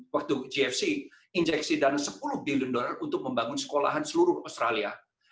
waktu gfc injeksi dana sepuluh bilion dollar untuk membangun sekolahan seluruh australia